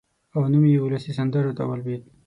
او نوم یې اولسي سندرو ته ولوېد.